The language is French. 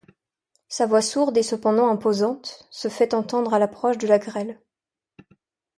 Sa voix sourde et cependant imposante, se fait entendre à l'approche de la grêle.